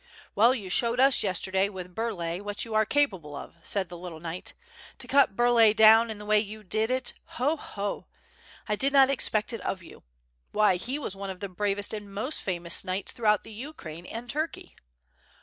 "Well, you showed us yesterday, with Burlay, what you are capable of," said the little knight. "To cut Burlay down in the way you did it, ho, ho; I did not expect it of you. Why, he was one of the bravest and most famous knights throughout the Ukraine and Turkey.'